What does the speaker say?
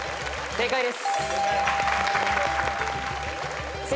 正解です。